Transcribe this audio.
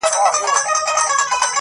موږ ته خو د خپلو پښو صفت بې هوښه سوی دی,